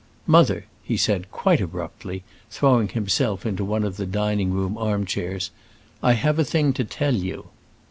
"Mother," he said, quite abruptly, throwing himself into one of the dining room arm chairs, "I have a thing to tell you."